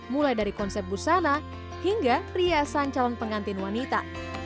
mulai dari konsep busana hingga riasan calon pengantin wanita